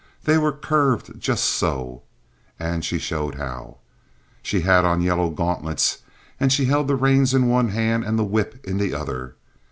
They were curved just so"—and she showed how. "She had on yellow gauntlets, and she held the reins in one hand and the whip in the other.